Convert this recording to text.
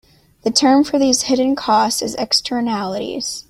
The term for these hidden costs is "Externalities".